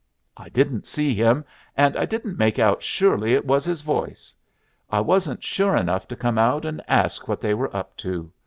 I didn't see him, and I didn't make out surely it was his voice. I wasn't sure enough to come out and ask what they were up to.